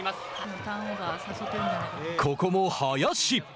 ここも林！